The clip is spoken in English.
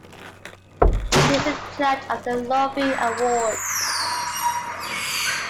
He is a judge of the Lovie Awards.